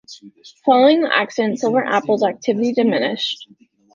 Following the accident, Silver Apples' activity diminished.